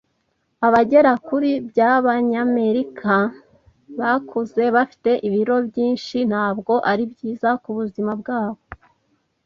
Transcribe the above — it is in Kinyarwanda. Abagera kuri byabanyamerika bakuze bafite ibiro byinshi, ntabwo ari byiza kubuzima bwabo.